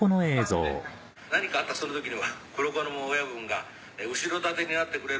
何かあったその時には親分が後ろ盾になってくれる。